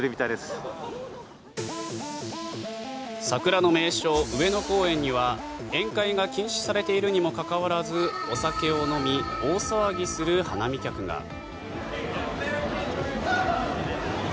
桜の名所、上野公園には宴会が禁止されているにもかかわらずお酒を飲み大騒ぎする花見客が。